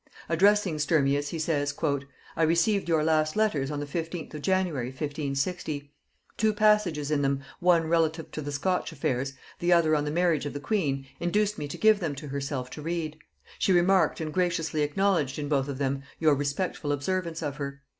Addressing Sturmius he says, "I received your last letters on the 15th of January 1560. Two passages in them, one relative to the Scotch affairs, the other on the marriage of the queen, induced me to give them to herself to read. She remarked and graciously acknowledged in both of them your respectful observance of her.